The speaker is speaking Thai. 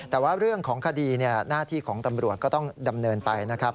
แต่ว่าเรื่องของคดีหน้าที่ของตำรวจก็ต้องดำเนินไปนะครับ